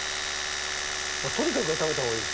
とにかく食べたほうがいい？